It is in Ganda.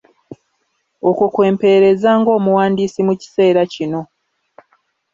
Okwo kwe mpeereza ng’omuwandiisi mu kiseera kino.